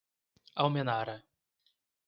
Almenara